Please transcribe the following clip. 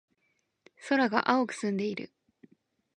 空が青く澄んでいる。